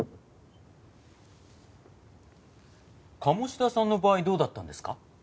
鴨志田さんの場合どうだったんですか？